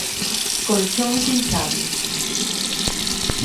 Colchóns inchables.